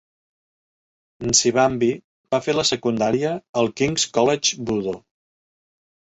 Nsibambi va fer la secundària al King's College Budo.